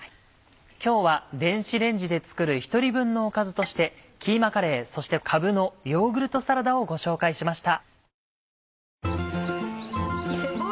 今日は電子レンジで作る１人分のおかずとして「キーマカレー」そして「かぶのヨーグルトサラダ」をご紹介しました。